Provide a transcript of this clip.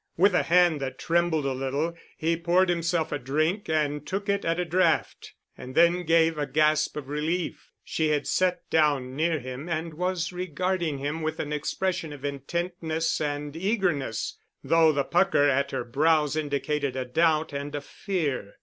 With a hand that trembled a little, he poured himself a drink and took it at a draught, and then gave a gasp of relief. She had sat down near him and was regarding him with an expression of intentness and eagerness, though the pucker at her brows indicated a doubt and a fear.